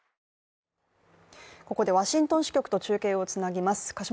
ここでワシントン支局と中継をつなぎます。